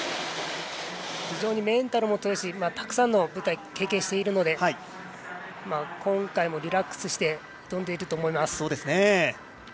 非常にメンタルも強いしたくさんの舞台を経験しているので今回もリラックスして挑んでいると思います。